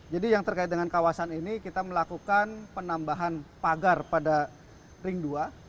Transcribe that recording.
jadi yang terkait dengan kawasan ini kita melakukan penambahan pagar pada ring dua